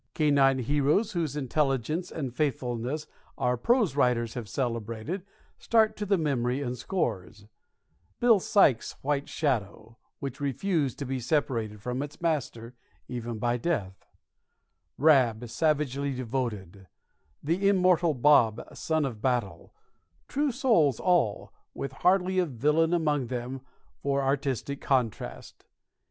Canine heroes whose intelligence and faithfulness our prose writers have celebrated start to the memory in scores Bill Sykes's white shadow, which refused to be separated from its master even by death; Rab, savagely devoted; the immortal Bob, "son of battle" true souls all, with hardly a villain among them for artistic contrast.